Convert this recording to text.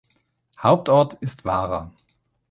Hauptort ist Vara.